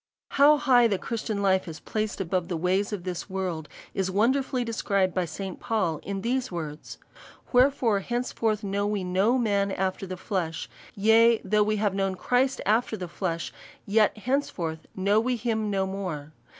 How high the Christian life is placed above the ways of this world, is wonderfully described by St. Paul in these words :" Wherefore henceforth know we no man after the flesh ; yea, though we have known Christ after the flesh ; yet henceforth we know him no more.